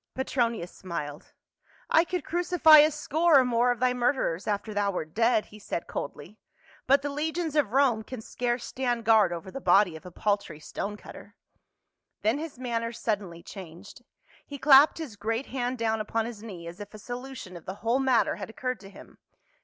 Petronius smiled. " I could crucify a score or more of thy murderers after thou wert dead," he said coldly ;" but the legions of Rome can scarce stand guard over the body of a paltry stone cutter." Then his manner suddenly changed ; he clapped his great hand down upon his knee as if a solution of the whole matter had occurred to him.